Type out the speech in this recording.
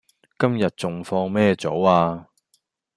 今日仲放咩早呀